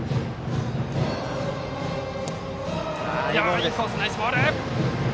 いいコース、ナイスボール！